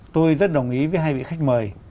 tôi rất đồng ý với hai vị khách mời